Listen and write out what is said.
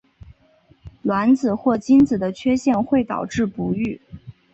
卵子或精子的缺陷会导致不育。